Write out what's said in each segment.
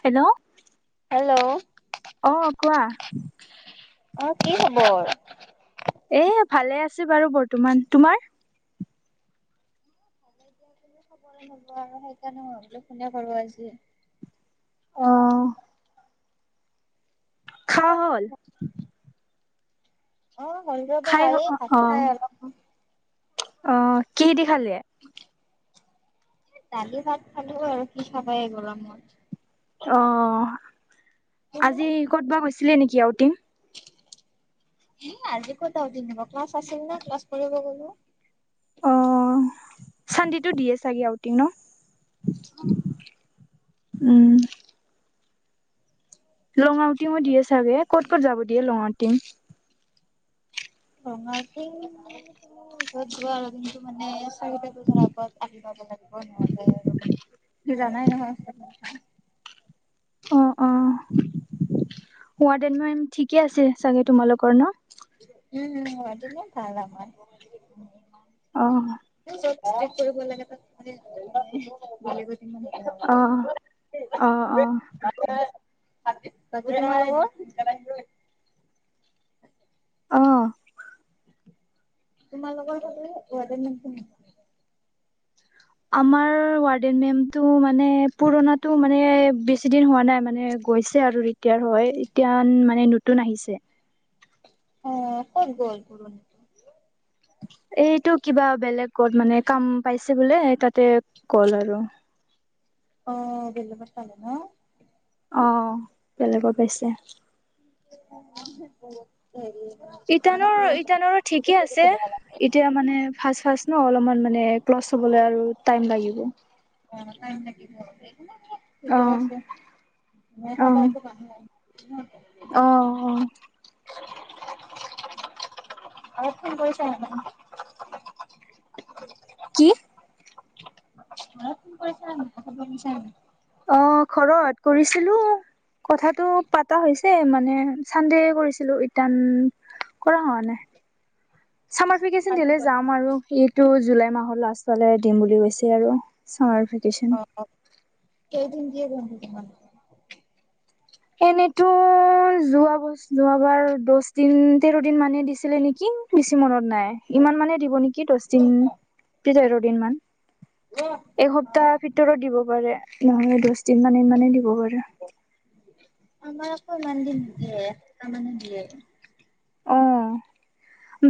Hello hello অ অ কোৱা অ কি খবৰ এ ভালে আছে বাৰু বৰ্তমান তোমাৰ ভাল খবৰে হব আৰু সেইকাৰণেহয় বুলি শুনে কৰো আজি [unintelligible] অহ খায়া হল অ হ'ল ৰবা এই ভাত খাই অলপ অহ কিহিদি খালে দালি ভাত খালিব আৰু কি খাৱা এই গৰমত অ তুমি? আজি ক'ত বা কৈছিলে নেকি আউটিম সে আজি কতাহতিব [unintelligible] ক্লাছ আছিল ন ক্লাছ পঢ় গলো অ চান্তিটো দিয়ে চাগে আউটিং ন উম উম লং আউটি দিয়ে চাগে ক'ত ক'ত যাব দিয়ে লং আউটিং ৰঙাটিঁ গোৱা আৰু কিন্তু মানে [unintelligible] লাগিব ন [unintelligible] তুমি জানাই নহয় অ ৱাৰ্ডেন মেম ঠিকে আছে চাগে তোমালোকৰ ন উম ৱাৰ্ডেন মেম ভাল আমাৰ অ কৰিব লাগে তাত মানে ইমান বাকী অহ অহ অহ [unintelligible] [unintelligible] অ তোমালোকৰ ৱাৰ্ডেন মেম কেনেকুৱা আমাৰ ৱাৰ্ডেন মেমটো মানে পুৰানা টো মানে বেছি দিন হোৱা নাই মানে গৈছে আৰু ৰিতাৰ হয় এতিয়া মানে নতুন আহিছে অ কত গল পুৰণিটো এইটো কিবা বেলেগত মানে কাম পাইছে বোলে তাতে গ'ল আৰু অ বলু মচালা ন [unintelligible] অ বেলেগত পাইছে হেৰি [unintelligible] মানে ইটানৰ ক্ল'জ ইটানৰো ঠিকে আছে বেয়া লাগে। এতিয়া মানে ফাৰ্ষ্ট ফাৰ্ষ্ট ন অলপমান মানে মানে ক্লচ হবলে টাইম লাগিব একো লাগিব সেই অ ঠিকে আছে ম সদায়তো মানু ল [unintelligible] উম [unintelligible] অহ অহ [unintelligible] [inaudible] অলপ ফোন কৰিছা নে মান [unintelligible] কি ঘৰত ফোন কৰিছা নাই খবৰ হুদিছা নাই অ ঘৰত কৰিছিলো কথাটো পাতা হৈছে মানে চানডে কৰিছিলো ইটান কৰা হোৱা নাই চামাৰ ভেকেচন দিলে যাম আৰু এইটো জুলাই মাহৰ লাষ্ট ফালে দিম বুলি কৈছে আৰু চামাৰ ভেকেশচন কি [unintelligible] এনেতো যোৱ ব যোৱাবাৰ দহ দিন তেৰ দিন মানহে দিছিলে নেকি কি বেছি মনত নাই ইমান মানে দিব নেকি দহ দিন তোমালোকৰ? তেৰ দিন মান এসপ্তাহ ভিতৰত দিব পাৰে নহলে দ যিমানে ইমানেই দিব পাৰে আমাৰ ক ইমান দিন নিদিয়ে এহপ্তাহ মানে দিয়ে [unintelligible] অ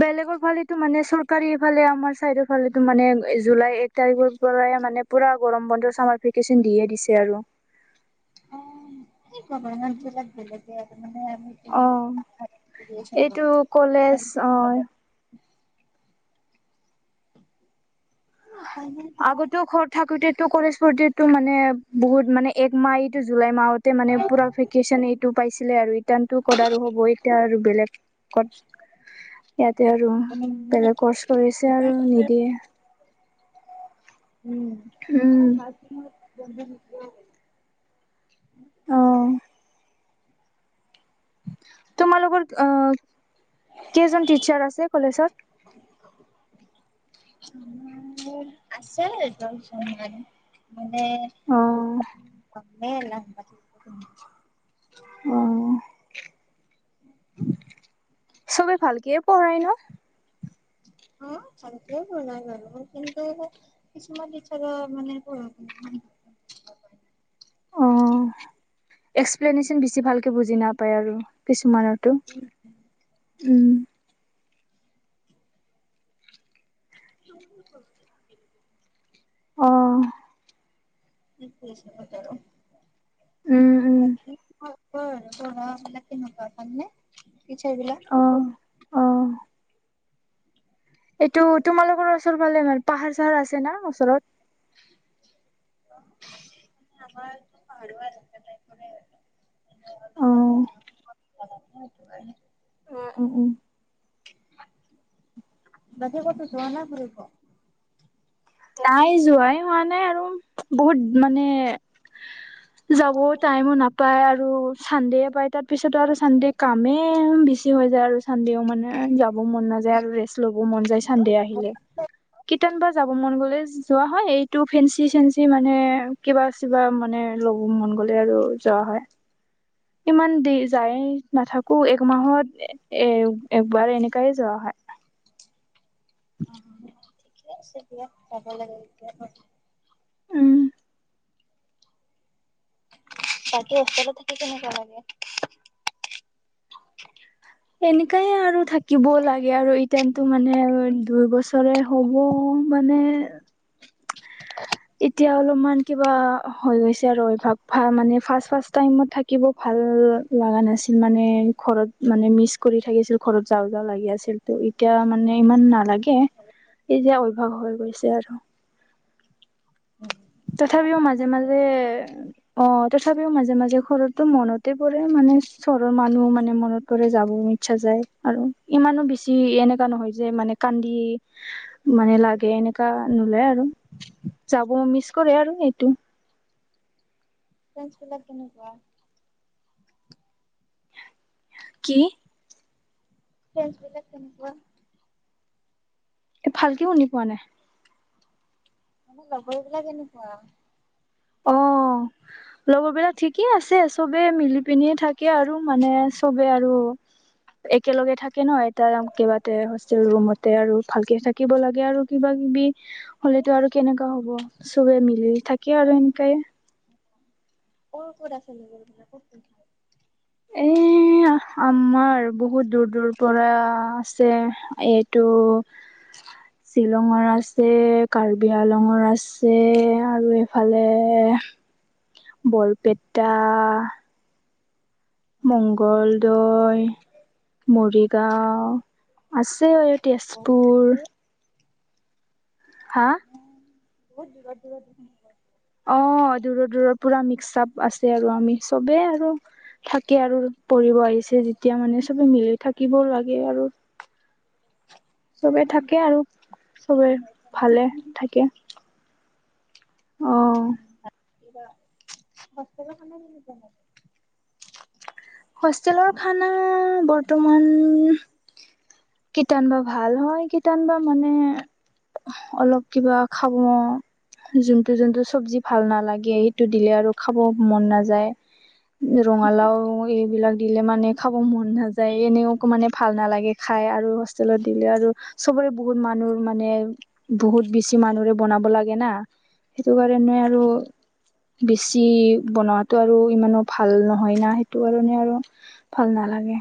বেলেগৰ ফালেটো মানে চৰকাৰ এইফালে আমাৰ চাইডৰ ফালেটো মানে জুলাই এক তাৰিখৰ পৰাই মানে পুৰা গৰম বন্ধৰ চ ভেকচন দিয়ে দিছে আৰু [unintelligible] ক ন লাগ [inaudible] অ এইটো কলেজ অ উপায় নাই আগতেও ঘৰত থাকোতেতো কলেজ মানে বহুত মানে এক মাইত জুলাই মাহতে মানে পুৰা ভেকেচন এইটো পাইছিলে আৰু টাৰ্টো কৰাৰো হ'ব এতিয়া আৰু বেলেগত ইয়াতে আৰু উম বেলেগ কৰ্চ কৰিছে আৰু নিদিয়ে উম আৰু ম আহ তোমালোক অ কেইজন টিচাৰ আছে কলেজত আছে [inaudible] মানে অ দু অ চবে ভালকে পঢ়ায় ন অ ভালকেপঢ়াই বাৰু কিন্তু কিছুমান টিচাৰৰ মানে [unintelligible] অ এক্সপ্লেনেশচন বেছি ভালকে বুজি নাপায় আৰু কিছুমানৰ টো উম। উম [unintelligible] অহ [unintelligible] পঢ়োৱা উম উম বিলাক কেনেকুৱা ভালনে টিচাৰ অ অ বিলাক এইটো তোমালোকৰ ওচৰ ফালে ভাল পাহাৰ চাহাৰ আছে না ওচৰত আমাৰ অ পাহাৰ [unintelligible] উ উ উম বকী কতো যোৱা নাই ফুৰিব নাই যোৱাই হোৱা নাই আৰু বহুত মানে যাবও টাইমো নাপায় আৰু চান্দে পায় তাৰ পিছতো আৰু চানদে কামে বেছি হৈ যায় আৰু চানডেও মানে যাব মন নাযায় আৰু ৰেচ ল'ব মন যায় চান্দে আহিলে কটান বা যাব মন গ'ল লে যোৱা হয় এইটো ফেঞ্চি চেঞ্চি মানে কিবা কিবা মানে লব মন গ'লে আৰু যোৱা হয় ইমান দেৰি যায় নাথাকো একমাহত এ একবাৰ এনেকাই যোৱা হয় [inaudible] অ ঠিকে আছে দিয়া যাব লাগে এতিয়া উম বাকী অকলে থাকা কেনেকুৱা লাগে এনেকাই আৰু থাকিব লাগে আৰু এতিয়াতো মানে দুই বছৰে হ'ব মানে এতিয়া অলপমান কিবা হৈ গৈছে আৰু অভ্যাস মানে ফাষ্ট টাইমত থাকিব ভাল লগা নাছিল মানে ঘৰত মানে মিচ কৰি থাকিছিল ঘৰত যাওঁ যাওঁ লাগি আছিল ত এতিয়া মানে ইমান নালাগে এতিয়া অভ্যাস হৈ গৈছে আৰু ফাৰ্ষ্ট তথাপিও মাজে টাইমত হয়ে মাজে অ তথাপিও মাজে মাজে ঘৰতটো মনতে পৰে মানে চহৰৰ মানুহ মানে মনত পৰে যাবও ইচ্ছা যায় আৰু ইমানো বেছি এনেকা নহয় যে মানে কান্দি মানে লাগে এনেকা নোলাই আৰু যাব মিচ কৰে আৰু এইটো ফ্ৰেনচ বিলাক কেনেকুৱা কি ফ্ৰেনচবিলাক কেনেকুৱা ভালকে শুনি পোৱা নাই মানে লগৰবিলাক কেনেকুৱা অ লগৰবিলাক ঠিকে আছে চবে মিলি পিনে থাকে আৰু মানে চবে আৰু একেলগে থাকে ন এটা কেইবাটা হোষ্টেল ৰুমতে আৰু ভালকে থাকিব লাগে আৰু কিবা কিবি হ'লেতো আৰু কেনেকুৱা হ'ব চবে মিলি থাকে আৰু এনকাই অ ক'ত আছে। এ [unintelligible] আমাৰ বহুত দূৰ দূৰ পৰা আছে এইটো শ্বিলঙৰ আছে, কাৰ্বি আংলংৰ আছে আৰু এইফালে বৰপেটা মংগল দৈ মৰিগাঁও আছে এই বহুত তেজপুৰ হা বহুত দূৰত দূৰত অ দূৰৰ দূৰৰ পুৰা মিক্স আপ আছে আৰু আমি চবে আৰু থাকে আৰু পঢ়িব আহিছে যেতিয়া মানে চবে মিলি থাকিবও লাগে আৰু চবে থাকে আৰু চবে ভালে থাকে অ বা [unintelligible] হোষ্টেলৰ খানা বৰ্তমান কীটান বা ভাল হয় কীটান বা মানে অহ, অলপ কিবা খাব যোনটো যোনটো চব্জি ভাল নালাগে সেইটো দিলে আৰু খাব মন নাযায় ৰঙালাও এইবিলাক দিলে মানে খাব মন নাযায় এনেও অকনমানে ভাল নালাগে খাই আৰু হোষ্টেলত দিলে আৰু চবৰে বহুত মানুহ মানে বহুত বেছি মানুহৰে বনাব লাগে না সেইটো কাৰণে আৰু বেছি বনোৱাটো আৰু ইমানো ভাল নহয় না সেইটো কাৰণে আৰু ভাল নালাগে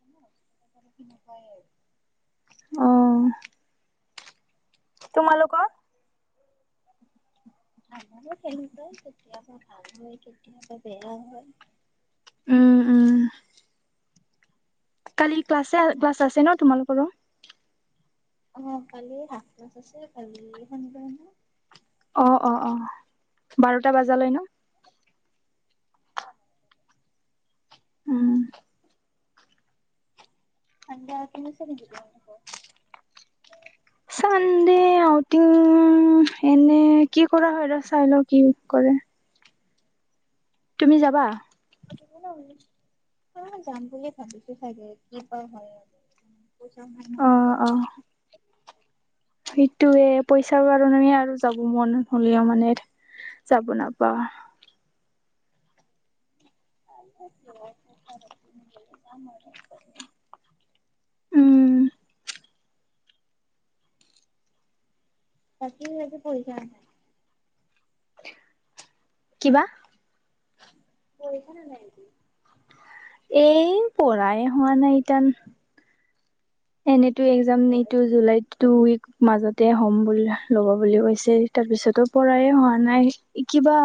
তেনেকুৱাই হয় তোমালোক [inaudible] আমাৰো তেনেকুৱাই কেতিয়াবা ভাল হয় কেতিয়াবা বেয়া হয় উম উমহ কালি ক্লাছে ক্লাছ আছে ন তোমালোকৰো অহ কালি হাফ ক্লাছ আছে কালি শনিবাৰ ন অ অ অ বাৰটা বাজালৈ ন উম [unintelligible] চানডে আউটিং এনে কি কৰা হয় ৰ চাই লওঁ কি ক কৰে তুমি যাবা অ যাম বুলি ভাবিছোঁ চাগে কি হয় হয় আৰু পইচাও নাই অ', নহয় সেইটোৱে পইচাৰ কাৰণে আৰু যাব মন হ'লেও মানে যাব নাপাওঁ [unintelligible] উম তাকে আজি কি পৰিক্ষাৰ আছে। কিবা পঢ়িছা নে নাই। এই পঢ়াই হোৱা নাই ইটান। এনেইতো এক্জাম এইটো জুলাইত টু উইক। মাজতে হ'ম বুলি ল'ব বুলি কৈছে তাৰ পিছতো পঢ়াই হোৱা নাই কিবা।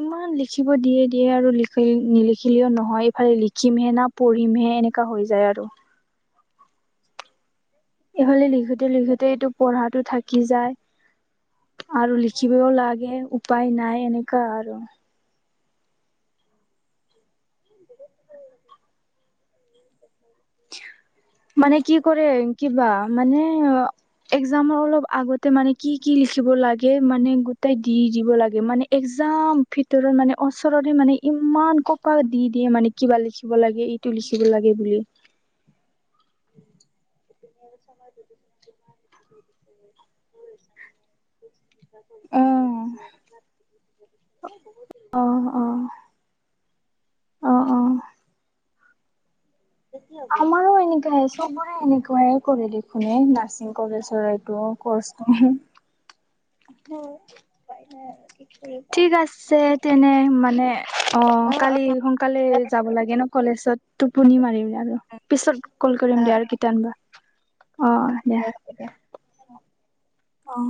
ইমান লিখিব দিয়ে দিয়ে আৰু লিখ নিলিখিলেও নহয় ইফালে লিখিমহে না পঢ়িমহে এনেকুৱা হৈ যায় আৰু এইফালে লিখোতে লিখোতে এইটো পঢ়াটো থাকি যায়। আৰু লিখিবও লাগে উপায় নাই এনেকুৱা আৰু [unintelligible] মানে কি কৰে কিবা মানে একজামৰ অলপ আগতে মানে কি কি লিখিব লাগে। মানে গোটেই দি দিব লাগে মানে একজাম ভিতৰত মানে ওচৰতে মানে ইমান। কপ দি দিয়ে মানে কিবা লিখিব লাগে এইটো লিখিব লাগে বুলি [unintelligible] [unintelligible] [unintelligible] অ [unintelligible] অ বহুত অ [unintelligible] অ কেতিয়া হ'ব? আমাৰো এনেকে চবোৰে এনেকুৱাই কৰে দেখোনে নাৰ্ছিং কৰে। কৰেটো কচটো। হয় পাই [unintelligible] ঠিক আছে তেনে। মানে অ কালি সোনকালে যাব লাগে ন কলেজত টোপনি মাৰি। আৰু পিছত কল কৰিম দিয়া আৰু কিটানিবা। তাকে হ'ব দিয়া। অহ।